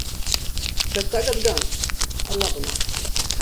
Bet tagad gan - ar labu nakti...